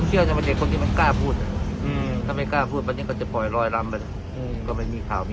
เสียใจไม่ห้าในฐานะแฟนคับคนหนึ่งด้วยก็เสียใจดีครับ